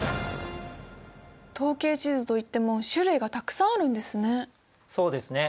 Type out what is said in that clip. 統計地図といっても種類がたくさんあるんですね。